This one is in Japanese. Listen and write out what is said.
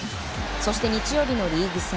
そして日曜日のリーグ戦。